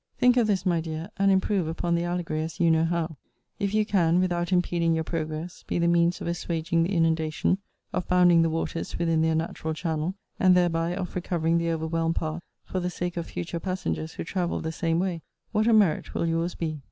Think of this, my dear; and improve upon the allegory, as you know how. If you can, without impeding your progress, be the means of assuaging the inundation, of bounding the waters within their natural channel, and thereby of recovering the overwhelmed path for the sake of future passengers who travel the same way, what a merit will your's be!